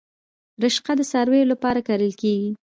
رشقه د څارویو لپاره کرل کیږي